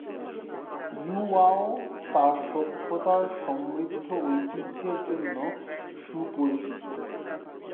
ইউয়াও তার সভ্যতার সমৃদ্ধ ঐতিহ্যের জন্য সুপরিচিত।